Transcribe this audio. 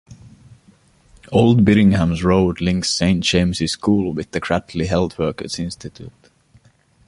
Old Birmingham Road links Saint James's School with the Cradley Heath Workers' Institute.